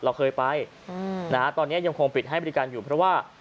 เราเคยไปตอนนี้ยังคงปิดให้บริการอยู่เพราะว่า